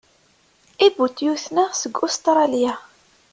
Ibutyuten-a seg Ustṛalya.